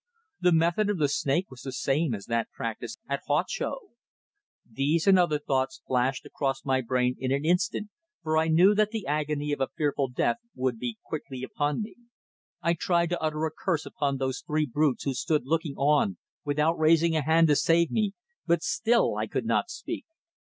The method of the snake was the same as that practised at Huacho! These, and other thoughts, flashed across my brain in an instant, for I knew that the agony of a fearful death would be quickly upon me. I tried to utter a curse upon those three brutes who stood looking on without raising a hand to save me, but still I could not speak.